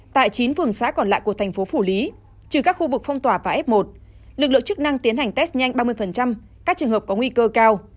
tại chín phường xã còn lại của thành phố phủ lý trừ các khu vực phong tỏa và f một lực lượng chức năng tiến hành test nhanh ba mươi các trường hợp có nguy cơ cao